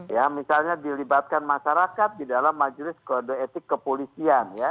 ya misalnya dilibatkan masyarakat di dalam majelis kode etik kepolisian ya